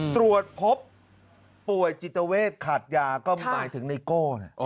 ตรวจพบป่วยจิตเวทขาดยาก็หมายถึงไนโก้